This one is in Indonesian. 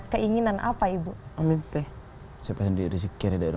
keinginan apa ibu